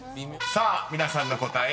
［さあ皆さんの答え